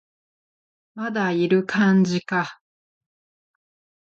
まだいる感じか